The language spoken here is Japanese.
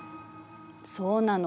そうなの。